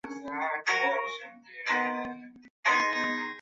渔夫之宝是英国兰开夏郡弗利特伍德市生产的强劲薄荷喉糖。